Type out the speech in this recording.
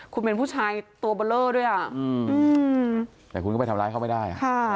คุณเป็นผู้ชายตัวเบลอด้วยแต่คุณก็ไม่ทำร้ายเขาไม่ได้